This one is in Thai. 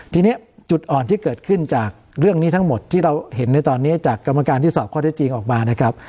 ทีนี้จุดอ่อนที่เกิดขึ้นจากเรื่องนี้ทั้งหมดที่เราเห็นในตอนนี้จากกรรมการที่สอบข้อได้จริงออกมานะครับ